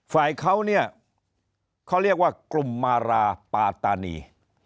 ฝ่ายเขาเนี่ยเขาเรียกว่ากลุ่มมาราปาตานี